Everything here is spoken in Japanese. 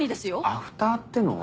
アフターってのは。